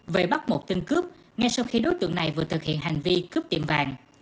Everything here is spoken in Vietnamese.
về bắt một tên cướp ngay sau khi đối tượng này vừa thực hiện hành vi cướp tiệm vàng